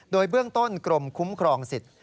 โดยเบื้องต้นกรมคุ้มครองสิทธิ